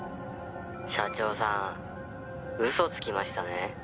「社長さん嘘つきましたね？」